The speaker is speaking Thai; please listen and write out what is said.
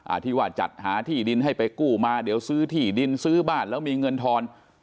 ที่ว่าจัดหาที่ดินให้ไปกู้มาเดี๋ยวซื้อที่ดินซื้อบ้านแล้วมีเงินทอน